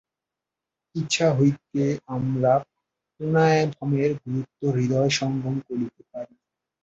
ইহা হইতে আমরা প্রাণায়ামের গুরুত্ব হৃদয়ঙ্গম করিতে পারি।